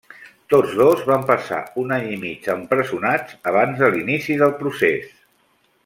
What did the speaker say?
Tots dos van passar un any i mig empresonats abans de l'inici del procés.